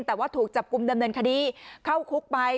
แต่ว่าถูกจับกลุ่มดำเนินคดีเข้าคุกไป